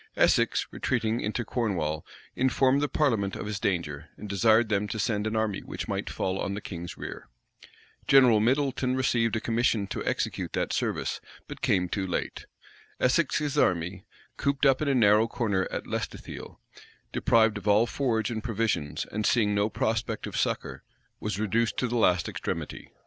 Essex, retreating into Cornwall, informed the parliament of his danger, and desired them to send an army which might fall on the king's rear. General Middleton received a commission to execute that service; but came too late. Essex's army, cooped up in a narrow corner at Lestithiel, deprived of all forage and provisions, and seeing no prospect of succor, was reduced to the last extremity.